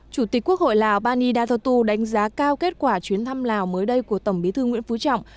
chủ tịch quốc hội lào pani datotu đánh giá cao kết quả chuyến thăm lào mới đây của tổng bí thư nguyễn phú trọng